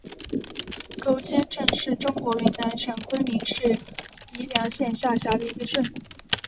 狗街镇是中国云南省昆明市宜良县下辖的一个镇。